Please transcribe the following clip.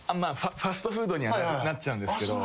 ファストフードにはなっちゃうんですけど。